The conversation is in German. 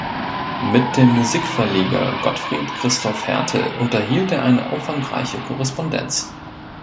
Mit dem Musikverleger Gottfried Christoph Härtel unterhielt er eine umfangreiche Korrespondenz.